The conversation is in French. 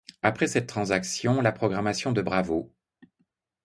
Après cette transaction, la programmation de Bravo!